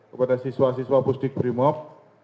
kepada siswa siswa pusdik brimob